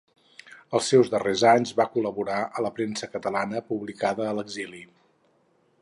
Als seus darrers anys va col·laborar a la premsa catalana publicada a l'exili.